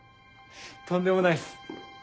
とんでもないっす。